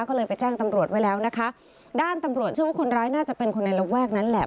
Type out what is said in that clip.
ก็เลยไปแจ้งตำรวจไว้แล้วนะคะด้านตำรวจเชื่อว่าคนร้ายน่าจะเป็นคนในระแวกนั้นแหละ